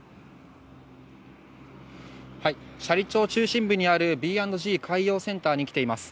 斜里町中心部にあるＢ＆Ｇ海洋センターに来ています。